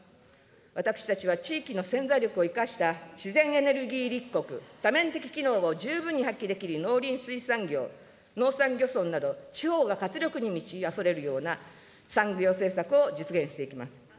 私たちは地域の潜在力を生かした、自然エネルギー立国、多面的機能を十分に発揮できる農林水産業、農山漁村など、地方が活力に満ちあふれるような産業政策を実現していきます。